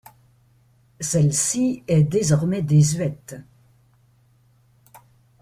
Celle-ci est désormais désuète.